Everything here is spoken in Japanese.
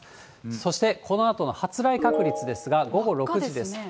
そしてこのあとの発雷確率ですが、午後６時です。